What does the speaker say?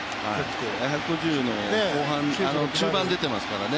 １５０の中盤出ていますからね